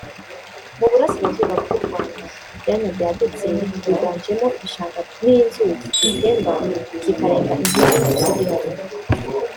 Mu burasirazuba bw’u Rwanda ibyanya byagutse byiganjemo ibishanga n’inzuzi zitemba zikarenga imbibi z’igihugu